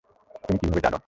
তুমি কিভাবে জান?